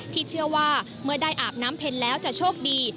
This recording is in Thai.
ที่เชื่อว่าเมื่อได้อาบน้ำเพ็ญแล้วจะโชคดี